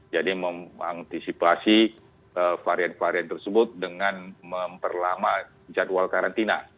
jadi mengantisipasi varian varian tersebut dengan memperlama jadwal karantina